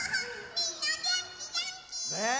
みんなげんきげんき！ねえ！